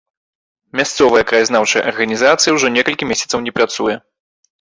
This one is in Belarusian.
Мясцовая краязнаўчая арганізацыя ўжо некалькі месяцаў не працуе.